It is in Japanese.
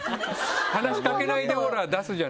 話しかけないでオーラ出すじゃないですか。